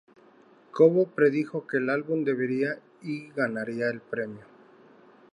Cobo predijo que el álbum debería y ganaría el premio.